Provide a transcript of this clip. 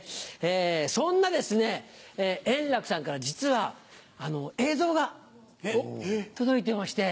そんな円楽さんから実は映像が届いてまして。